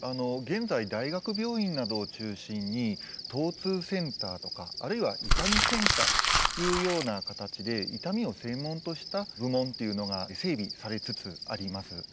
現在大学病院などを中心に疼痛センターとかあるいは痛みセンターというような形で痛みを専門とした部門っていうのが整備されつつあります。